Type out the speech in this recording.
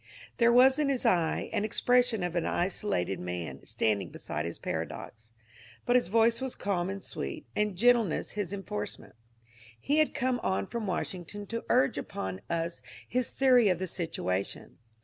There was in his eye an expres sion of the isolated man standing beside his paradox, but his voice was calm and sweet, and gentleness his enforcement. He had come on from Washington to urge upon us his theory of the situation.